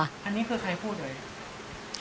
อันนี้คือใครพูดเหรอ